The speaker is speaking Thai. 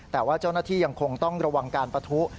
แต่ว่าเจ้าหน้าที่ยังคงต้องระวังการปะทุ